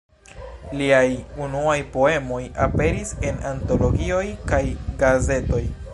Liaj unuaj poemoj aperis en antologioj kaj gazetoj.